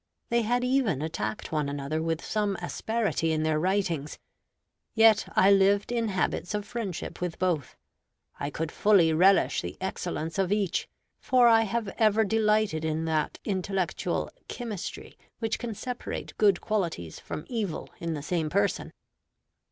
They had even attacked one another with some asperity in their writings; yet I lived in habits of friendship with both. I could fully relish the excellence of each; for I have ever delighted in that intellectual chymistry which can separate good qualities from evil in the same person.